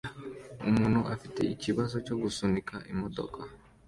Umuntu afite ikibazo cyo gusunika imodoka